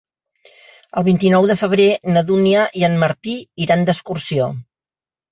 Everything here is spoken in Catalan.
El vint-i-nou de febrer na Dúnia i en Martí iran d'excursió.